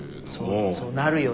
そうなるよね。